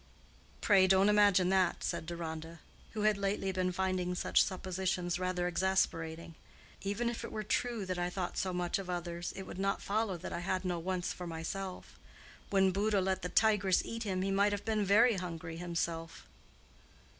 "Pray don't imagine that," said Deronda, who had lately been finding such suppositions rather exasperating. "Even if it were true that I thought so much of others, it would not follow that I had no wants for myself. When Buddha let the tigress eat him he might have been very hungry himself."